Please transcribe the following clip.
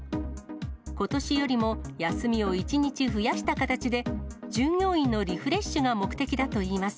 ことしよりも休みを１日増やした形で、従業員のリフレッシュが目的だといいます。